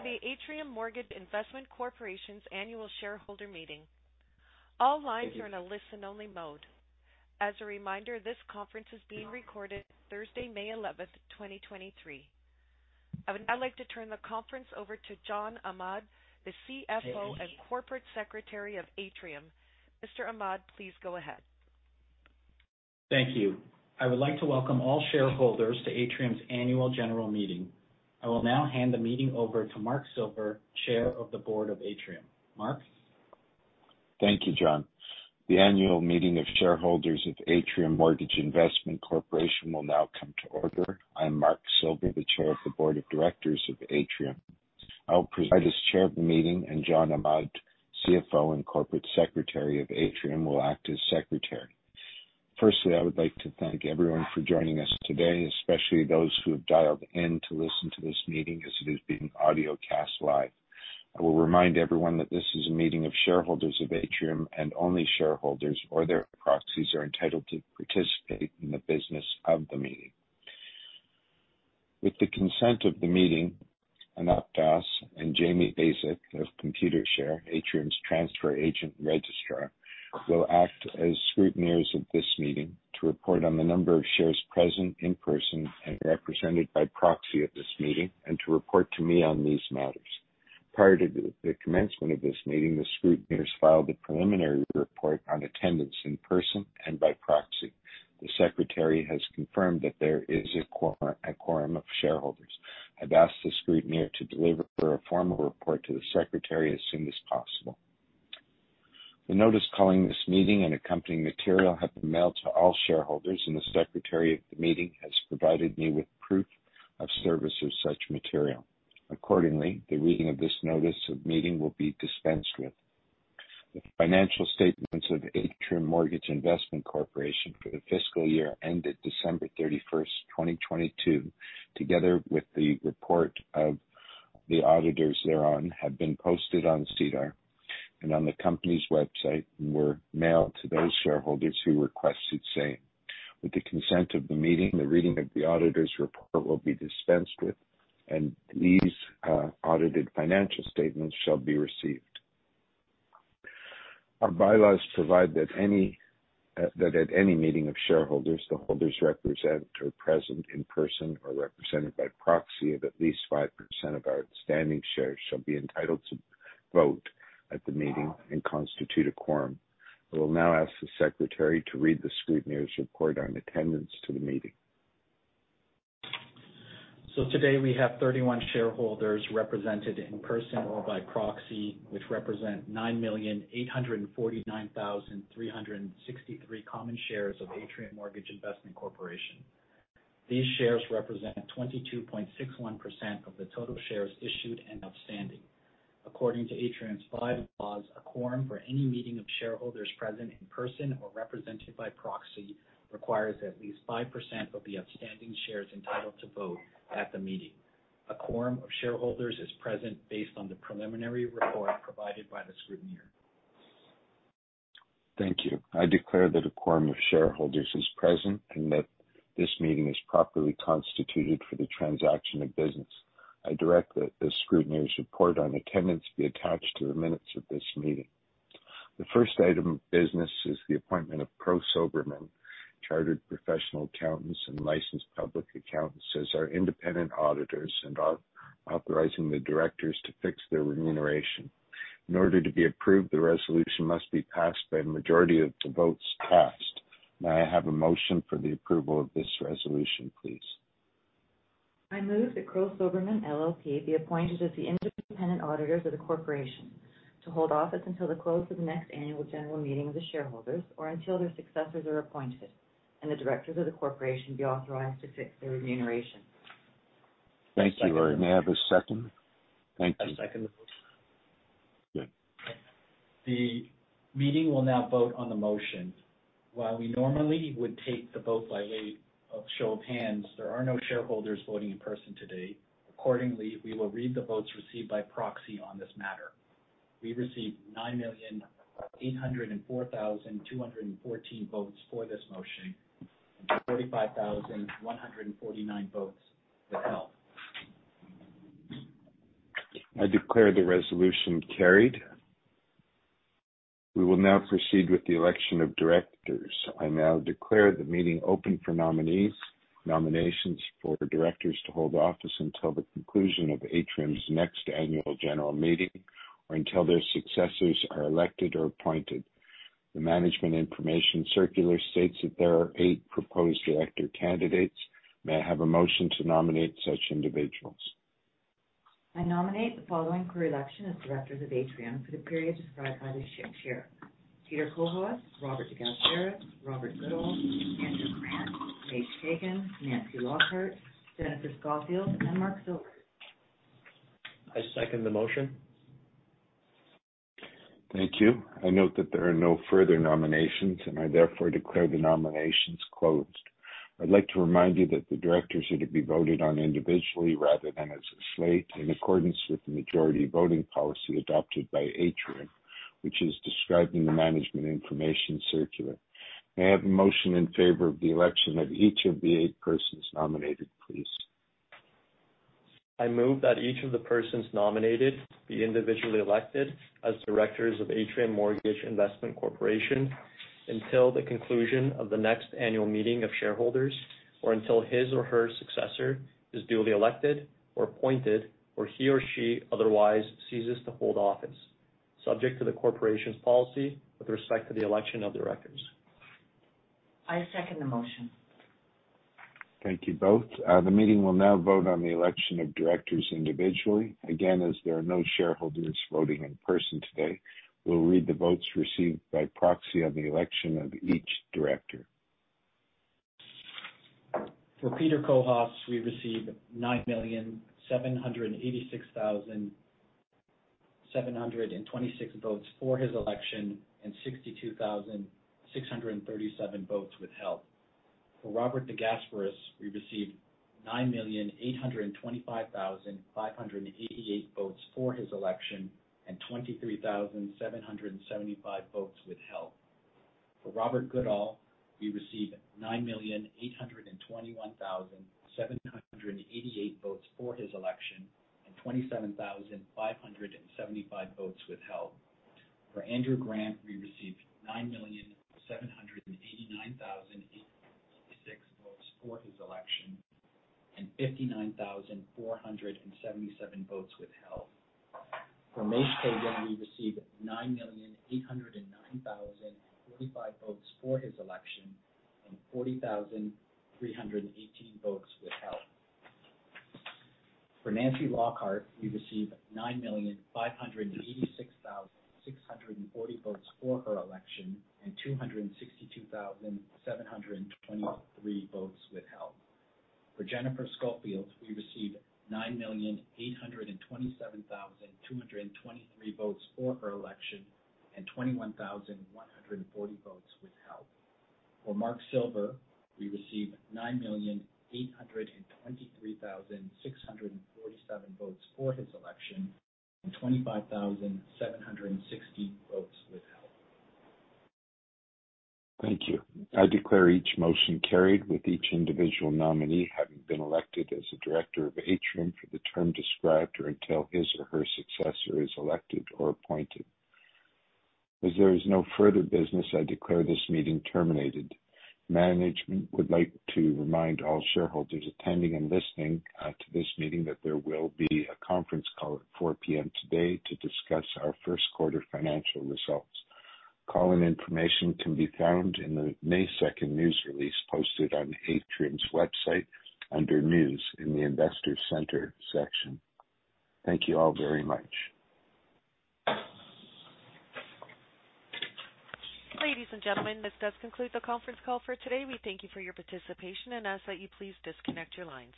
Welcome to the Atrium Mortgage Investment Corporation's Annual Shareholder Meeting. All lines are in a listen-only mode. As a reminder, this conference is being recorded Thursday, May 11, 2023. I would now like to turn the conference over to John Ahmad, the CFO and Corporate Secretary of Atrium. Mr. Ahmad, please go ahead. Thank you. I would like to welcome all shareholders to Atrium's annual general meeting. I will now hand the meeting over to Mark Silver, Chair of the Board of Atrium. Mark? Thank you, John. The annual meeting of shareholders of Atrium Mortgage Investment Corporation will now come to order. I'm Mark Silver, the Chair of the Board of Directors of Atrium. I'll preside as chair of the meeting. John Ahmad, CFO and Corporate Secretary of Atrium, will act as secretary. Firstly, I would like to thank everyone for joining us today, especially those who have dialed in to listen to this meeting as it is being audiocast live. I will remind everyone that this is a meeting of shareholders of Atrium. Only shareholders or their proxies are entitled to participate in the business of the meeting. With the consent of the meeting, Anup Das and Jamie Besic of Computershare, Atrium's transfer agent registrar, will act as scrutineers of this meeting to report on the number of shares present in person and represented by proxy at this meeting, and to report to me on these matters. Prior to the commencement of this meeting, the scrutineers filed a preliminary report on attendance in person and by proxy. The secretary has confirmed that there is a quorum of shareholders. I've asked the scrutineer to deliver a formal report to the secretary as soon as possible. The notice calling this meeting and accompanying material have been mailed to all shareholders. The secretary of the meeting has provided me with proof of service of such material. Accordingly, the reading of this notice of meeting will be dispensed with. The financial statements of Atrium Mortgage Investment Corporation for the fiscal year ended December 31, 2022, together with the report of the auditors thereon, have been posted on SEDAR and on the company's website, and were mailed to those shareholders who requested same. With the consent of the meeting, the reading of the auditor's report will be dispensed with, and these audited financial statements shall be received. Our bylaws provide that any that at any meeting of shareholders, the holders represent or present in person or represented by proxy of at least 5% of our outstanding shares shall be entitled to vote at the meeting and constitute a quorum. I will now ask the secretary to read the scrutineer's report on attendance to the meeting. Today we have 31 shareholders represented in person or by proxy, which represent 9,849,363 common shares of Atrium Mortgage Investment Corporation. These shares represent 22.61% of the total shares issued and outstanding. According to Atrium's five laws, a quorum for any meeting of shareholders present in person or represented by proxy requires at least 5% of the outstanding shares entitled to vote at the meeting. A quorum of shareholders is present based on the preliminary report provided by the scrutineer. Thank you. I declare that a quorum of shareholders is present and that this meeting is properly constituted for the transaction of business. I direct that the scrutineer's report on attendance be attached to the minutes of this meeting. The first item of business is the appointment of Crowe Soberman, Chartered Professional Accountants and licensed public accountants, as our independent auditors, and authorizing the directors to fix their remuneration. In order to be approved, the resolution must be passed by a majority of the votes cast. May I have a motion for the approval of this resolution, please? I move that Crowe Soberman LLP be appointed as the independent auditors of the corporation to hold office until the close of the next annual general meeting of the shareholders, or until their successors are appointed and the directors of the corporation be authorized to fix their remuneration. Thank you. May I have a second? Thank you. I second the motion. Good. The meeting will now vote on the motion. While we normally would take the vote by way of show of hands, there are no shareholders voting in person today. Accordingly, we will read the votes received by proxy on this matter. We received 9,804,214 votes for this motion and 45,149 votes to help. I declare the resolution carried. We will now proceed with the election of directors. I now declare the meeting open for nominees. Nominations for directors to hold office until the conclusion of Atrium's next annual general meeting or until their successors are elected or appointed. The Management Information Circular states that there are eight proposed director candidates. May I have a motion to nominate such individuals? I nominate the following for election as directors of Atrium for the period described by the ship chair: Peter Cohos, Robert DeGasperis, Robert Goodall, Andrew Grant, Maish Kagan, Nancy Lockhart, Jennifer Scoffield, and Mark Silver. I second the motion. Thank you. I note that there are no further nominations, and I therefore declare the nominations closed. I'd like to remind you that the directors are to be voted on individually rather than as a slate, in accordance with the majority voting policy adopted by Atrium, which is described in the Management Information Circular. May I have a motion in favor of the election of each of the eight persons nominated, please? I move that each of the persons nominated be individually elected as directors of Atrium Mortgage Investment Corporation until the conclusion of the next annual meeting of shareholders, or until his or her successor is duly elected or appointed, or he or she otherwise ceases to hold office, subject to the corporation's policy with respect to the election of directors. I second the motion. Thank you both. The meeting will now vote on the election of directors individually. Again, as there are no shareholders voting in person today, we'll read the votes received by proxy on the election of each director. For Peter Cohos, we received 9,786,726 votes for his election, and 62,637 votes withheld. For Robert DeGasperis, we received 9,825,588 votes for his election, and 23,775 votes withheld. For Robert Goodall, we received 9,821,788 votes for his election, and 27,575 votes withheld. For Andrew Grant, we received 9,789,866 votes for his election, and 59,477 votes withheld. For Maish Kagan, we received 9,809,045 votes for his election, and 40,318 votes withheld. For Nancy Lockhart, we received 9,586,640 votes for her election, and 262,723 votes withheld. For Jennifer Scoffield, we received 9,827,223 votes for her election, and 21,140 votes withheld. For Mark Silver, we received 9,823,647 votes for his election, and 25,760 votes withheld. Thank you. I declare each motion carried, with each individual nominee having been elected as a director of Atrium for the term described, or until his or her successor is elected or appointed. As there is no further business, I declare this meeting terminated. Management would like to remind all shareholders attending and listening to this meeting that there will be a conference call at 4:00 P.M. today to discuss our first quarter financial results. Call-in information can be found in the May second news release, posted on Atrium's website under News in the Investor Centre section. Thank you all very much. Ladies and gentlemen, this does conclude the conference call for today. We thank you for your participation and ask that you please disconnect your lines.